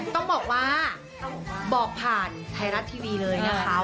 ต้องบอกว่าบอกผ่านไทยรัฐทีวีเลยนะคะ